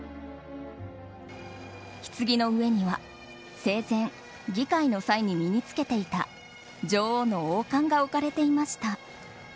ひつぎの上には生前、議会の際に身に着けていた女王の王冠が置かれていました。